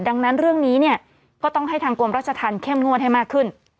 ดังนั้นเรื่องนี้เนี่ยก็ต้องให้ทางกรมราชธรรมเข้มงวดให้มากขึ้น